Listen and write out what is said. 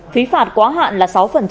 phí phạt quá hạn là sáu